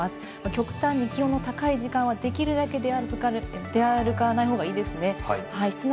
極端に気温の高い時間はできるだけ出歩かない方がいいですね。